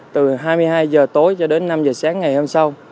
từ hai mươi hai h tối cho đến năm h sáng ngày hôm sau